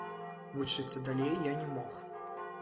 Вучыцца далей я не мог.